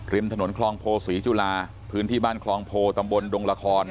ริมถนนคลองโพศรีจุฬาพื้นที่บ้านคลองโพตำบลดงละคร